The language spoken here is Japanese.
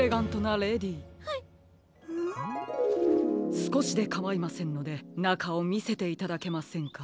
すこしでかまいませんのでなかをみせていただけませんか？